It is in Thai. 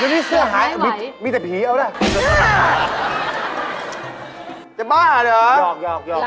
แต่ไม่มีเสื้อหายไหวมีแต่พีเอาละเจ๊บาลเหรอหยอก